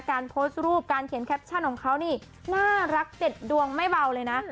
การโพสต์รูปการเขียนแคปชั่นของเขานี่น่ารักเด็ดดวงไม่เบาเลยนะ